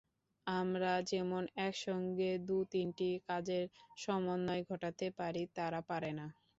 আমরা যেমন একসঙ্গে দু-তিনটি কাজের সমন্বয় ঘটাতে পারি, তারা পারে না।